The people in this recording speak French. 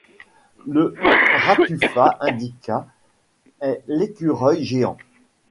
Le ratufa indica est l'écureuil géant